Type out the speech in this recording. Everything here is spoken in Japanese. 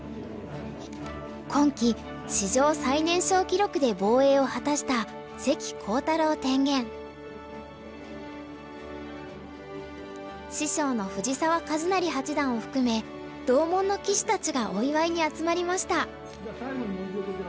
今期史上最年少記録で防衛を果たした師匠の藤澤一就八段を含め同門の棋士たちがお祝いに集まりました。